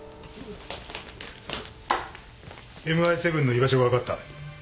ＭＩ７の居場所が分かった。